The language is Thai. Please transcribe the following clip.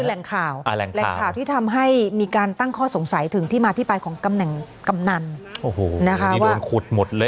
นี่คือแหล่งข่าวที่ทำให้มีการตั้งข้อสงสัยถึงที่มาที่ปรายของกำแหน่งกำนันโอ้โหนี่โดนโขดหมดแล้ว